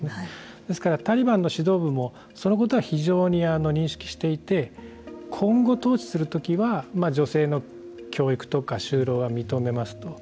ですから、タリバンの指導部もそのことは非常に認識していて今後、統治するときは女性の教育とか就労は就労は認めますと。